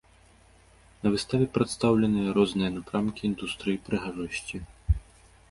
На выставе прадстаўленыя розныя напрамкі індустрыі прыгажосці.